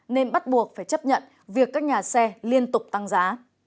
nên bắt buộc phải chấp nhận việc các nhà xe liên tục tăng giá